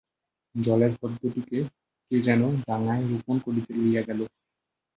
জলের পদ্মটিকে কে যেন ডাঙায় রোপণ করিতে লইয়া গেল।